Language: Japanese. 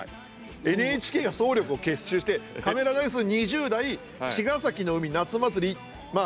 ＮＨＫが総力を結集してカメラ台数２０台茅ヶ崎の海夏祭りまあ